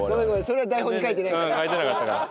それは台本に書いてないから。